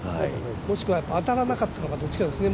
もしくは当たらなかったのかどっちかですね。